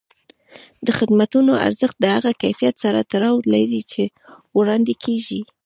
د خدمتونو ارزښت د هغه کیفیت سره تړاو لري چې وړاندې کېږي.